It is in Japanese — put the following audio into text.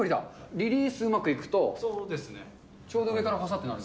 リリースうまくいくと、ちょうど上からぱさっとなる。